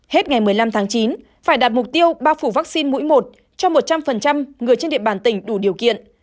hết ngày một mươi năm tháng chín phải đạt mục tiêu bao phủ vaccine mũi một cho một trăm linh người trên địa bàn tỉnh đủ điều kiện